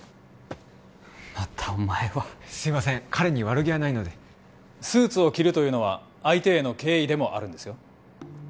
またお前はすいません彼に悪気はないのでスーツを着るというのは相手への敬意でもあるんですよ